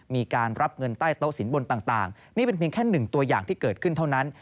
มีการรับเงินใต้โต๊ะสินบนต่างนี่เป็นเพียงแค่หนึ่งตัวอย่างที่เกิดขึ้นเท่านั้น